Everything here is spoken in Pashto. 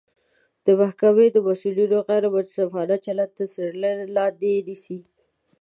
د محکمې د مسوولینو غیر منصفانه چلند تر څیړنې لاندې نیسي